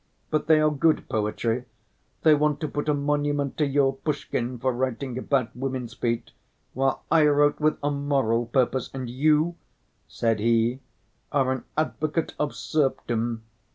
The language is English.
But they are good poetry. They want to put a monument to your Pushkin for writing about women's feet, while I wrote with a moral purpose, and you,' said he, 'are an advocate of serfdom.